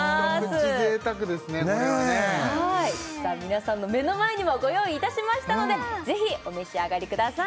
これはね皆さんの目の前にもご用意いたしましたのでぜひお召し上がりください